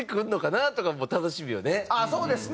そうですね。